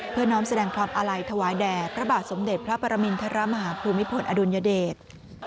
น้องแสดงความอาลัยถวายแด่พระบาทสมเด็จพระปรมินทรมาฮภูมิพลอดุลยเดช